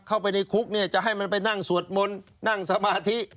เข้าไปในคุกเนี่ยจะให้มันไปนั่งสวดมนต์นั่งสมาธิ